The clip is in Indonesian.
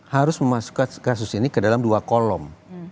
harus memasukkan kasus ini ke dalam dua kolom